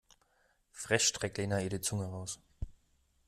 Frech streckt Lena ihr die Zunge raus.